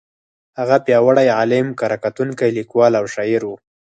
هغه پیاوړی عالم، کره کتونکی، لیکوال او شاعر و.